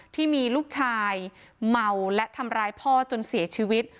ที่มีลูกชายเมาและทำร้ายพ่อจนเสียชีวิต